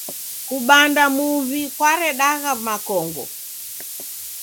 Kubanda muw'i kwaredagha makongo.